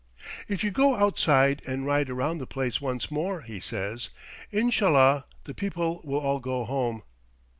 "If you go outside and ride around the place once more," he says, "Inshallah, the people will all go home."